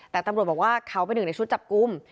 แต่ตำรวจบอกว่าเขาเป็นหนึ่งในชุดจับกลุ่ม